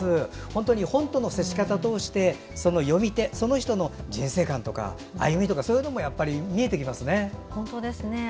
本当に本との接し方を通して読み手の人の人生観とか歩みとかそういうのも見えてきますよね。